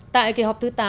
tại kỳ họp thứ tám